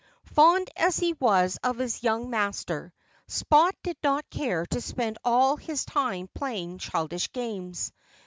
Fond as he was of his young master, Spot did not care to spend all his time playing childish games.